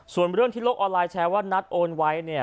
ส่วนเรื่องที่โลกออนไลนแชร์ว่านัดโอนไว้เนี่ย